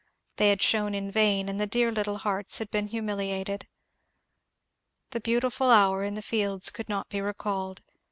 Thejr had shone in vain, and the dear little hearts had been humiliated. The beautiful hour in the fields could not be recalled.